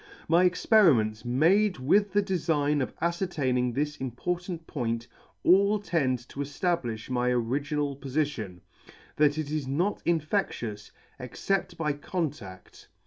My experiments, made with the defign of afcertaining this important point, all tend to eftablifh my original pofition, that it is not infectious, except by contadt.